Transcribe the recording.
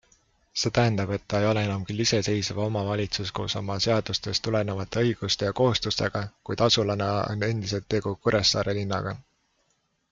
See tähendab, et ta ei ole enam küll iseseisev omavalitsus koos oma seadusest tulenevate õiguste ja kohustustega, kuid asulana on endiselt tegu Kuressaare linnaga.